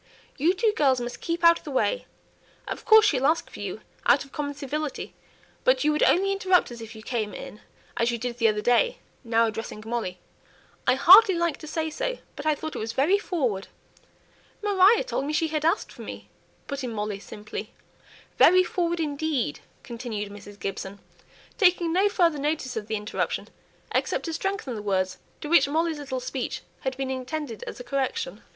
You two girls must keep out of the way. Of course she'll ask for you, out of common civility; but you would only interrupt us if you came in, as you did the other day;" now addressing Molly "I hardly like to say so, but I thought it was very forward." "Maria told me she had asked for me," put in Molly, simply. "Very forward indeed!" continued Mrs. Gibson, taking no further notice of the interruption, except to strengthen the words to which Molly's little speech had been intended as a correction.